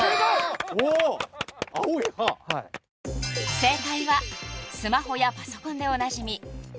［正解はスマホやパソコンでおなじみ］［では］